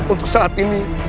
untuk saat ini